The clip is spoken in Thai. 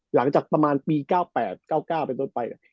หลังจากประมาณปี๙๘๙๙ไปไป